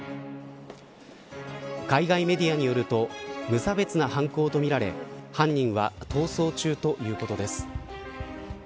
海外メディアによると無差別な犯行とみられ犯人は逃走中ということです。